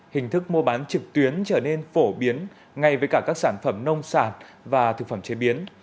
hình thức mua bán trực tuyến trở nên phổ biến ngay với cả các sản phẩm nông sản và thực phẩm chế biến